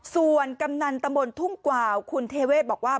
ส่วนกำนันตำบลทุ่งกว่าวคุณเทเวศบอกว่า